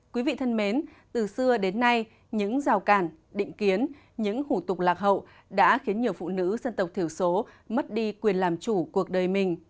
quý vị thân mến từ xưa đến nay những rào cản định kiến những hủ tục lạc hậu đã khiến nhiều phụ nữ dân tộc thiểu số mất đi quyền làm chủ cuộc đời mình